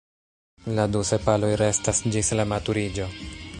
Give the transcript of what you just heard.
La du sepaloj restas ĝis la maturiĝo.